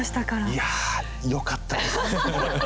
いやよかったです。